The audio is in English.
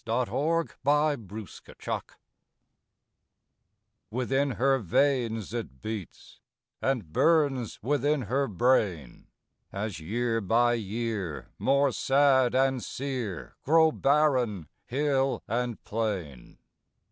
THE HALL OF DARKNESS Within her veins it beats And burns within her brain, As year by year more sad and sear Grow barren hill and plain.